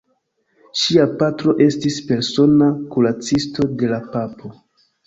Ŝia patro estis persona kuracisto de la papo.